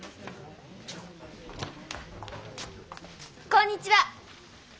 こんにちは！